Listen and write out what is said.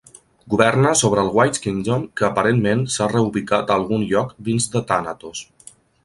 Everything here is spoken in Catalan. Governa sobre el White Kingdom, que aparentment s'ha reubicat a algun lloc dins de Thanatos.